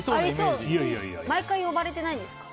毎回呼ばれてないですか？